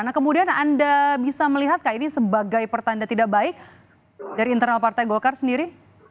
nah kemudian anda bisa melihat ini sebagai pertanda tidak baik dari internal partai golkar sendiri